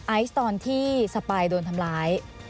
ไอซ์ตอนที่สปายโดนทำร้าย